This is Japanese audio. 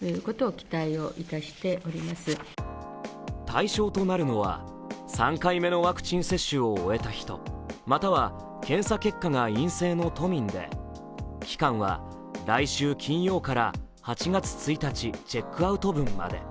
対象となるのは３回目のワクチン接種を終えた人または検査結果が陰性の都民で、期間は来週金曜から８月１日チェックアウト分まで。